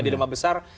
di rumah besar